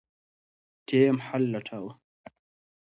ټیم حل لټاوه.